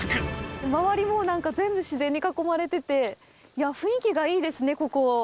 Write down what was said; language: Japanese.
周りもなんか、全部自然に囲まれてて、雰囲気がいいですね、ここ。